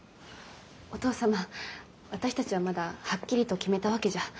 お父様私たちはまだはっきりと決めたわけじゃ。